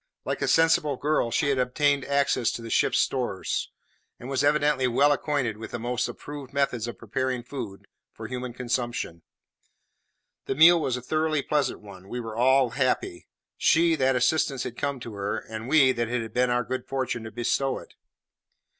Like a sensible girl, she had obtained access to the ship's stores, and was evidently well acquainted with the most approved methods of preparing food for human consumption. The meal was a thoroughly pleasant one, for we were all happy; she, that assistance had come to her, and we, that it had been our good fortune to bestow it.